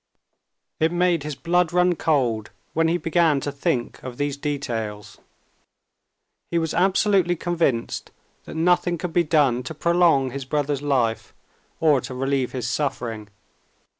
It made his blood run cold when he began to think of all these details. He was absolutely convinced that nothing could be done to prolong his brother's life or to relieve his suffering.